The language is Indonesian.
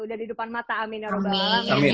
udah di depan mata amin ya robbal amin